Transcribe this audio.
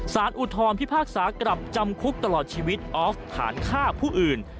อุทธรพิพากษากลับจำคุกตลอดชีวิตออฟฐานฆ่าผู้อื่น